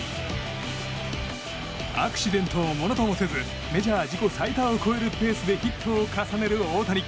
アクシデントをものともせずメジャー自己最多を超えるペースでヒットを重ねる大谷。